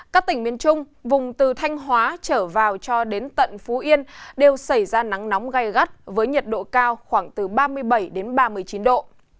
các tỉnh miền trung vùng từ thanh hóa trở vào cho đến tận phú yên đều xảy ra nắng nóng gai gắt với nhiệt độ cao khoảng từ ba mươi bảy đến ba mươi chín độ